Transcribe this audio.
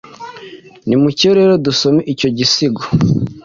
Nimucyo rero dusome icyogisigo.